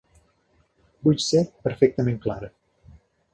Vull ser perfectament clara.